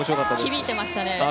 響いていましたね。